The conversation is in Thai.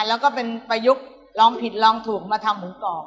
แล้วก็เป็นประยุกต์ลองผิดลองถูกมาทำหมูกรอบ